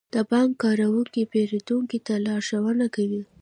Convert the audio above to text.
د بانک کارکونکي پیرودونکو ته لارښوونه کوي.